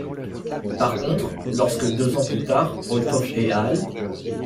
Par contre, lorsque deux ans plus tard, Olthof et al.